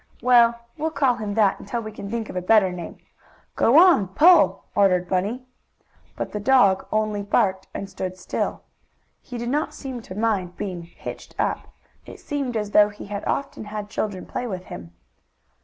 "Well, we'll call him that until we can think of a better name. Go on, pull!" ordered Bunny. But the dog only barked and stood still. He did not seem to mind being "hitched up." It seemed as though he had often had children play with him.